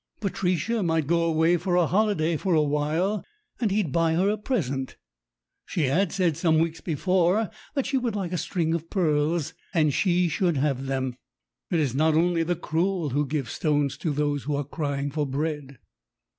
Patricia might go away for a holiday for a while, and he'd buy her a present; she had said some weeks before that she would like a string of pearls, and she should have them. It is not only the cruel who give stones to those who are crying for bread.